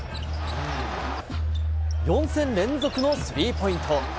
４戦連続のスリーポイント。